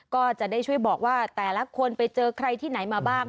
ก็จะได้ช่วยบอกว่าแต่ละคนไปเจอใครที่ไหนมาบ้าง